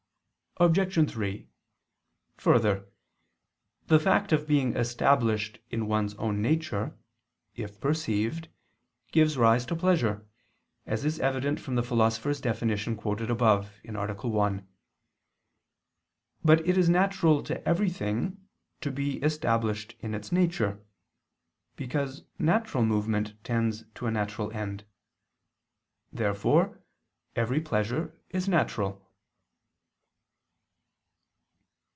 Obj. 3: Further, the fact of being established in one's own nature, if perceived, gives rise to pleasure, as is evident from the Philosopher's definition quoted above (A. 1). But it is natural to every thing to be established in its nature; because natural movement tends to a natural end. Therefore every pleasure is natural.